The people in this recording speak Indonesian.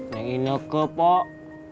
neng ineke pak